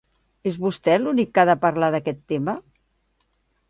És vostè l’únic que ha de parlar d’aquest tema?